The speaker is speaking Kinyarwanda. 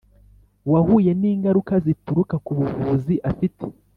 wahuye n ingaruka zituruka ku buvuzi afite